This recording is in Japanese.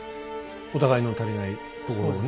お互いの足りないところをね。